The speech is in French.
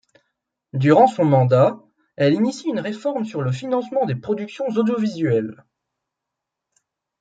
Durant son mandat, elle initie une réforme sur le financement des productions audiovisuelles.